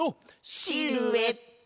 シルエット！